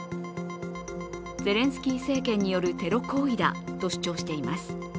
ゼレンスキー政権によるテロ行為だと主張しています。